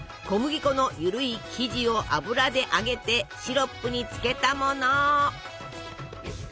小麦粉の緩い生地を油で揚げてシロップに漬けたもの。